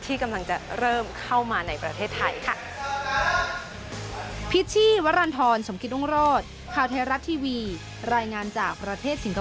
ที่กำลังจะเริ่มเข้ามาในประเทศไทยค่ะ